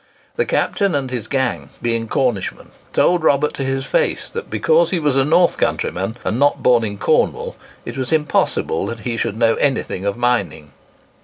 The captain and his gang, being Cornish men, told Robert to his face, that because he was a North country man, and not born in Cornwall it was impossible he should know anything of mining.